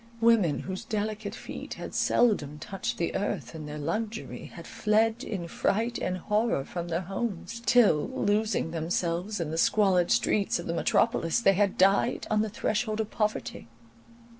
Women whose delicate feet had seldom touched the earth in their luxury, had fled in fright and horror from their homes, till, losing themselves in the squalid streets of the metropolis, they had died on the threshold of poverty.